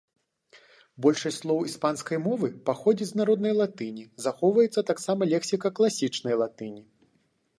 Большасць слоў іспанскай мовы паходзіць з народнай латыні, захоўваецца таксама лексіка класічнай латыні.